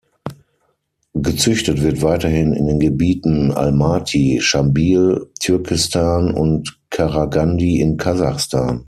Gezüchtet wird weiterhin in den Gebieten Almaty, Schambyl, Türkistan und Qaraghandy in Kasachstan.